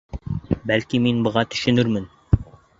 Бәлки мин быға төшөнөрмөн.